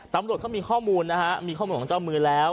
ตำรวจเขามีข้อมูลนะฮะมีข้อมูลของเจ้ามือแล้ว